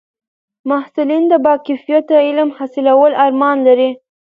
محصلین د با کیفیته علم حاصلولو ارمان لري.